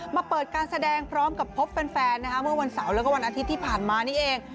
มาเปิดการแสดงพร้อมกับพบแฟนเมื่อวันเสาร์แล้วก็วันอาทิตย์ที่ผ่านมานี่เอง